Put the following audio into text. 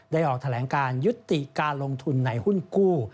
ออกแถลงการยุติการลงทุนในหุ้นกู้